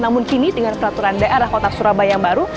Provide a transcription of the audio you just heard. namun kini dengan peraturan daerah kota surabaya yang baru